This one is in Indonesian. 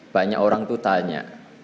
banyak orang tuh tanya